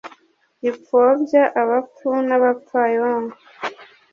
Gipfobya abapfu n'abapfayongo